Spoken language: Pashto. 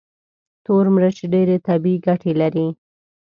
تور مرچ ډېرې طبي ګټې لري.